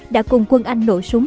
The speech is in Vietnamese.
đã cùng quân anh nổ súng